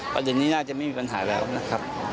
ประเด็นนี้น่าจะไม่มีปัญหาแล้วนะครับ